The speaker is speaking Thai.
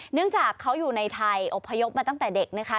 เนื่องจากเขาอยู่ในไทยอบพยพมาตั้งแต่เด็กนะคะ